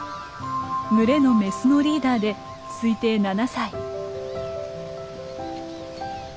群れのメスのリーダーで推定７歳。